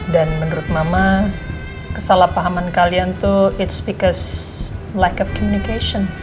dan menurut mama kesalahpahaman kalian tuh it's because lack of communication